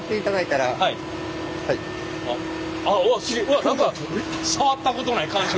おっわっ何か触ったことない感触。